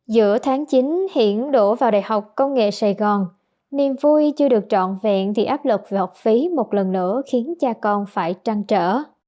giữa tháng chín hiển đổ vào đại học công nghệ sài gòn niềm vui chưa được trọn vẹn vì áp lực về học phí một lần nữa khiến cha con phải trăng trở